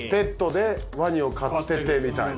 ワニを飼っててみたいな。